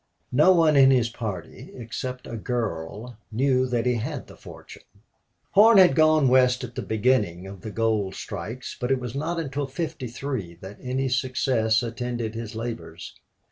No one in his party, except a girl, knew that he had the fortune. Horn had gone West at the beginning of the gold strikes, but it was not until '53 that any success attended his labors.